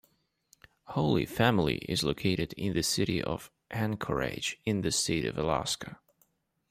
Holy Family is located in the City of Anchorage in the state of Alaska.